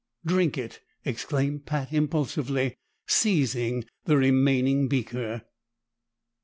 "Drink it!" exclaimed Pat impulsively, seizing the remaining beaker.